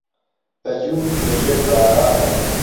بە جووت لە ژێر بارانێ